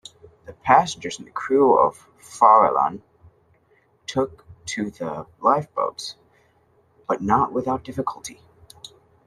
The passengers and crew of "Farallon" took to the lifeboats, but not without difficulty.